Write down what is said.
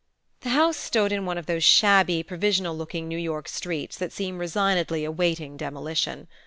The house stood in one of those shabby provisional looking New York streets that seem resignedly awaiting demolition.